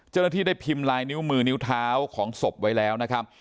เจ้าหน้าที่ได้พิมพ์ลายนิ้วมือนิ้วเท้าของศพไว้แล้วนะครับ